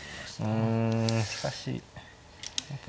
うんしかし本譜